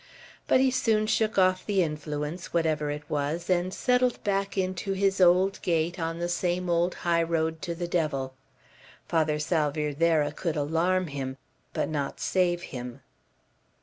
But he soon shook off the influence, whatever it was, and settled back into his old gait on the same old high road to the devil. Father Salvierderra could alarm him, but not save him.